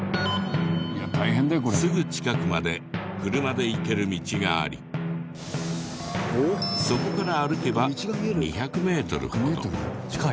すぐ近くまで車で行ける道がありそこから歩けば２００メートルほど。